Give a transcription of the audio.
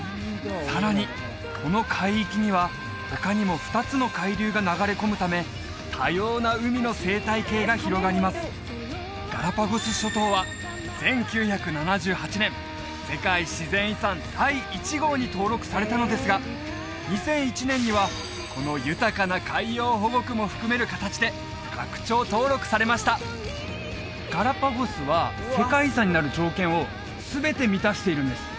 さらにこの海域には他にも２つの海流が流れ込むため多様な海の生態系が広がりますガラパゴス諸島はされたのですが２００１年にはこの豊かな海洋保護区も含める形で拡張登録されましたガラパゴスは世界遺産になる条件を全て満たしているんです